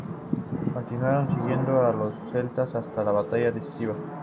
Continuaron siguiendo a los celtas hasta la batalla decisiva.